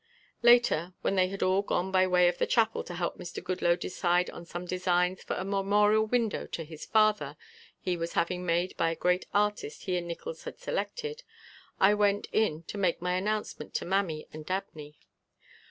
Later when they had all gone by way of the chapel to help Mr. Goodloe decide on some designs for a memorial window to his father he was having made by a great artist he and Nickols had selected, I went in to make my announcement to Mammy and Dabney.